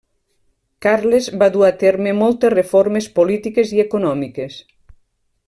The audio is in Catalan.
Carles va dur a terme moltes reformes polítiques i econòmiques.